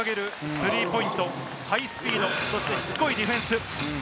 スリーポイント、ハイスピード、そしてしつこいディフェンス。